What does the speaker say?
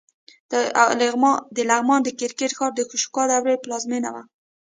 د لغمان د کرکټ ښار د اشوکا د دورې پلازمېنه وه